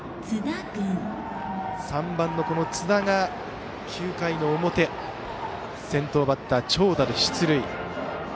３番の津田が９回の表先頭バッター、長打で出塁。